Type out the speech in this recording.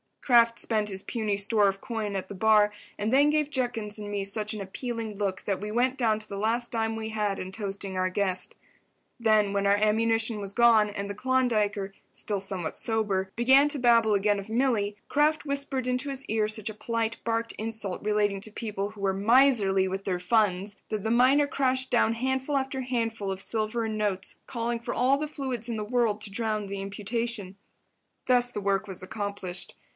Kraft spent his puny store of coin at the bar and then gave Judkins and me such an appealing look that we went down to the last dime we had in toasting our guest. Then, when our ammunition was gone and the Klondiker, still somewhat sober, began to babble again of Milly, Kraft whispered into his ear such a polite, barbed insult relating to people who were miserly with their funds, that the miner crashed down handful after handful of silver and notes, calling for all the fluids in the world to drown the imputation. Thus the work was accomplished.